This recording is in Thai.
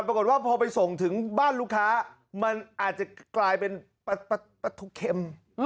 ปรากฏว่าพอไปส่งถึงบ้านลูกค้ามันอาจจะกลายเป็นปลาทูเค็ม